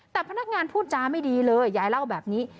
แต่พนักงานพูดจาไม่ดีเลยยายเล่าแบบนี้